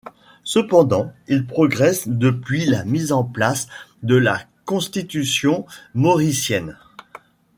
Cependant, il progresse depuis la mise en place de la constitution mauricienne.